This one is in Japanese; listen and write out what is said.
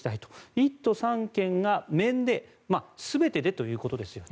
１都３県が面で全てでということですよね。